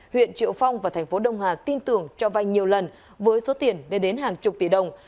huyện triệu phong và thành phố đông hà tin tưởng cho vay nhiều lần với số tiền lên đến hàng chục tỷ đồng